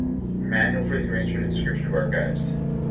Manual for the arrangement and description of archives.